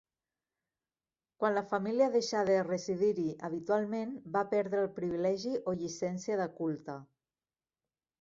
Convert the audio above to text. Quan la família deixà de residir-hi habitualment va perdre el privilegi o llicència de culte.